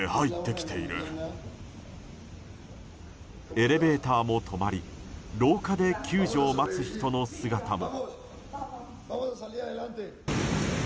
エレベーターも止まり廊下で救助を待つ人の姿も。